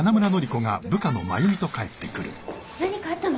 何かあったの？